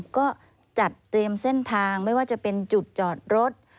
ก็จัดเตรียมเส้นทางไม่ว่าจะเป็นจุดจอดรถ